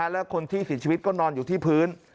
แล้วคนที่เสียชีวิตก็นอนอยู่ที่พื้น